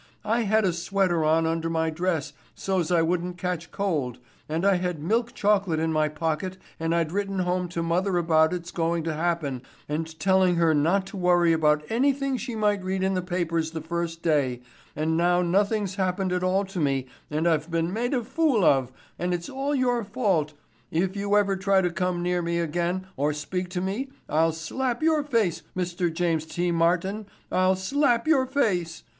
I had a sweater on under my dress so's I wouldn't catch cold, and I had milk chocolate in my pocket and I'd written home to mother about it's going to happen and telling her not to worry about anything she might read in the papers the first day, and now nothing's happened at all to me and I've been made a fool of and it's all your fault if you ever try to come near me again or speak to me I'll slap your face, Mr. James T. Martin, I'll slap your face.